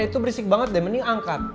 itu berisik banget deh mending angkat